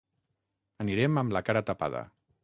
Anirem amb la cara tapada.